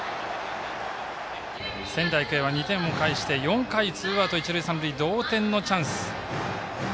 仙台育英は２点を返して４回、ツーアウト、一塁三塁同点のチャンス。